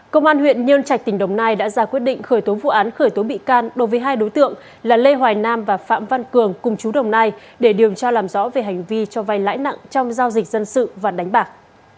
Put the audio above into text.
công an huyện nhân trạch tỉnh đồng nai đã ra quyết định khởi tố vụ án khởi tố bị can đối với hai đối tượng là lê hoài nam và phạm văn cường cùng chú đồng nai để điều tra làm rõ về hành vi cho vay lãi nặng trong giao dịch dân sự và đánh bạc